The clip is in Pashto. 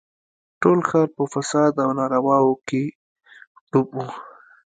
ټول ښار په فساد او نارواوو کښې ډوب و.